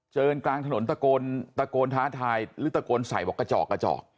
เจินกลางถนนตะโกนตะโกนท้าทายหรือตะโกนใส่บอกกระจอก